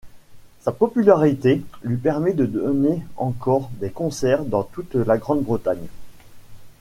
Sa popularité lui permet de donner encore des concerts dans toute la Grande Bretagne.